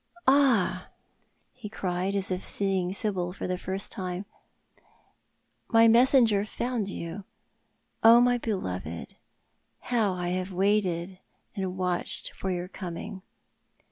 "Ah!" ho cried, as if seeing Sibyl for the first time, "my messenger found you. Oh, my beloved, how I have waited and watched for your coming!